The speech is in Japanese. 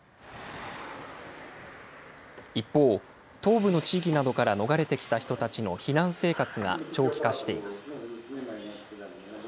一方、東部の地域などから逃れてきた人たちの避難生活が、長期化しています。